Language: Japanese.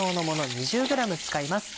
２０ｇ使います。